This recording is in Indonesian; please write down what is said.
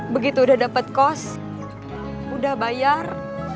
begitu udah dapet kos udah bayar